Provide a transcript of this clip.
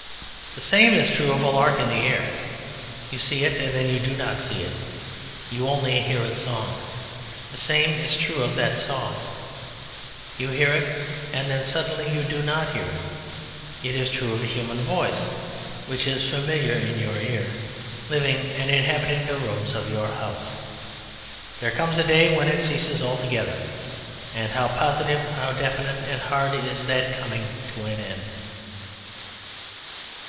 The same is true of a lark in the air. You see it and then you do not see it, you only hear its song. And the same is true of that song: you hear it and then suddenly you do not hear it. It is true of a human voice, which is familiar in your ear, living and inhabiting the rooms of your house. There comes a day when it ceases altogether and how positive, how definite and hard is that Coming to an End.